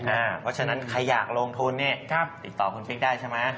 เพราะฉะนั้นใครอยากลงทุนเนี่ยติดต่อคุณฟิกได้ใช่ไหม